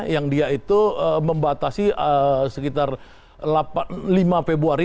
yang dia itu membatasi sekitar lima februari